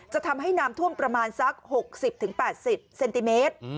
ทำให้น้ำท่วมประมาณสัก๖๐๘๐เซนติเมตร